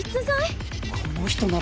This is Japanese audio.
この人なら。